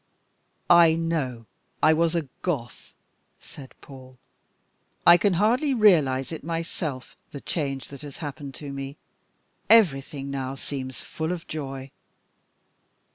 "I know I was a Goth," said Paul. "I can hardly realise it myself, the change that has happened to me. Everything now seems full of joy."